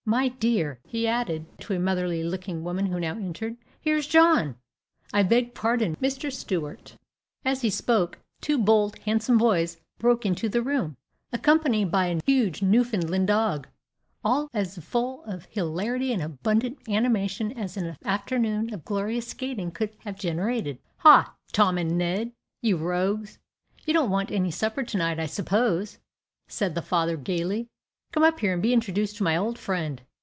My dear," he added to a motherly looking woman who now entered, "here's John! I beg pardon, Mr. Stuart." As he spoke, two bold, handsome boys broke into the room, accompanied by a huge Newfoundland dog all as full of hilarity and abundant animation as an afternoon of glorious skating could have generated. "Ha, Tom and Ned! you rogues you don't want any supper to night, I suppose," said the father, gayly; "come up here and be introduced to my old friend.